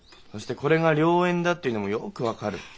そしてこれが良縁だっていうのもよく分かる。